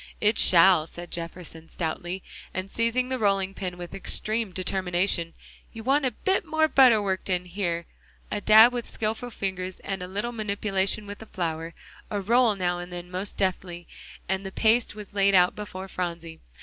"It shall," said Jefferson stoutly, and seizing the rolling pin with extreme determination. "You want a bit more butter worked in, here," a dab with skillful fingers, and a little manipulation with the flour, a roll now and then most deftly, and the paste was laid out before Phronsie.